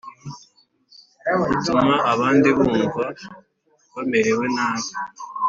utuma abandi bumva bamerewe nabi.